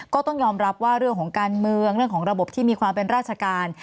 ก็ต้องยอมรับว่าเรื่องของการเมืองเรื่องของระบบที่มีความเป็นราชการ